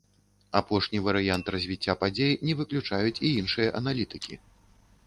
Апошні варыянт развіцця падзей не выключаюць і іншыя аналітыкі.